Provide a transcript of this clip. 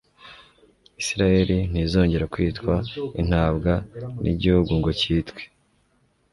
Isiraheli ntizongera kwitwa ''Intabwa,'' n'igihugu ngo cyitwe